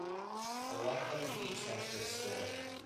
A walk on the beach after a storm.